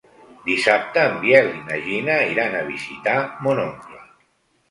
Dissabte en Biel i na Gina iran a visitar mon oncle.